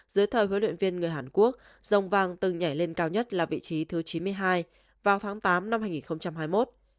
dưới thời huấn luyện viên người hàn quốc dòng vàng từng nhảy lên cao nhất là vị trí thứ chín mươi hai vào tháng tám năm hai nghìn hai mươi một